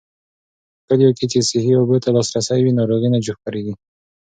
په کليو کې چې صحي اوبو ته لاسرسی وي، ناروغۍ نه خپرېږي.